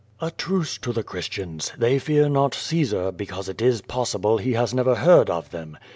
"A truce to the Christians. They fear not Caesar, because it is possible he has never heard of them.